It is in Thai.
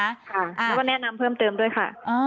แล้วก็แนะนำเพิ่มเติมด้วยค่ะ